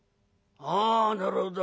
「ああなるほど。